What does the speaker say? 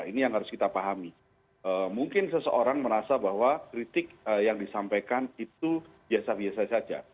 ini yang harus kita pahami mungkin seseorang merasa bahwa kritik yang disampaikan itu biasa biasa saja